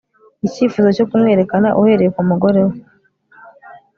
icyifuzo cyo kumwerekana uhereye kumugore we